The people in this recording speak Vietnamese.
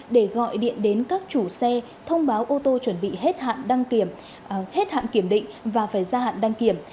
để gọi điện đến các chủ xe thông báo ô tô chuẩn bị hết hạn kiểm định và phải gia hạn đăng kiểm